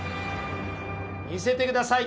見せてください。